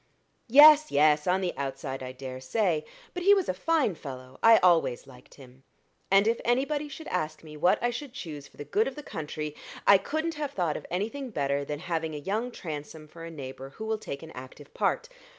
"Yes, yes, on the outside, I dare say. But he was a fine fellow I always liked him. And if anybody should ask me what I should choose for the good of the country, I couldn't have thought of anything better than having a young Transome for a neighbor who will take an active part.